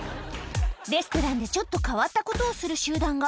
レストランでちょっと変わったことをする集団が。